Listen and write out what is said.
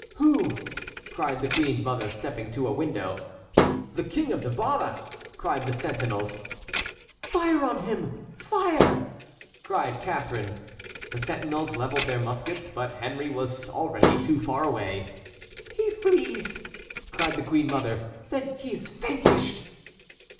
"Who?" cried the queen mother, stepping to a window. "The King of Navarre!" cried the sentinels. "Fire on him! Fire!" cried Catharine. The sentinels levelled their muskets, but Henry was already too far away. "He flees!" cried the queen mother; "then he is vanquished!"